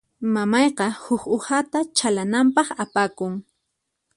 Mamayqa huk uhata chhalananpaq apakun.